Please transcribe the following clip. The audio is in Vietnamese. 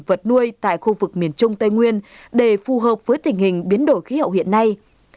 vật nuôi tại khu vực miền trung tây nguyên để phù hợp với tình hình biến đổi khí hậu hiện nay